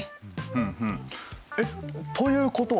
うんうんえっということはだよ